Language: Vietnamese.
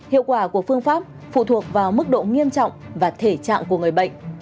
hiệu quả của phương pháp phụ thuộc vào mức độ nghiêm trọng và thể trạng của người bệnh